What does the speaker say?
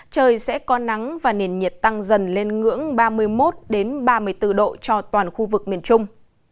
trời sẽ có nắng và nền nhiệt tăng dần lên ngưỡng ba mươi một ba mươi bốn độ cho toàn khu vực miền trung